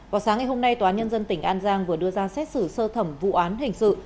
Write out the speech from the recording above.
vào sáng ngày hôm nay tòa án nhân dân tỉnh an giang vừa đưa ra xét xử sơ thẩm vụ án hình sự